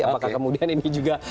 apakah kemudian ini juga